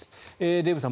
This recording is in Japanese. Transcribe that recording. デーブさん